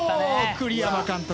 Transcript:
栗山監督